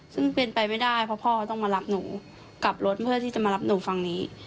ซึ่งเป็นไปไม่ได้เพราะพ่อต้องมารับหนูกลับรถเพื่อที่จะมารับหนูฝั่งนี้